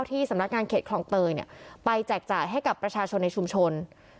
สำนักงานเขตคลองเตยไปแจกจ่ายให้กับประชาชนในชุมชน